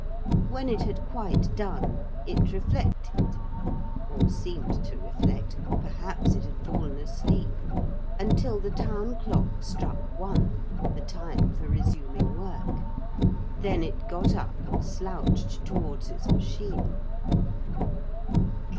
When it had quite done, it reflected or seemed to reflect; perhaps it had fallen asleep until the town clock struck one, the time for resuming work. Then it got up and slouched towards its machine.